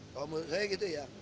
kalau menurut saya gitu ya